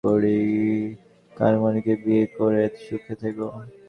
কানমনিকে বিয়ে করে সুখে থেকো।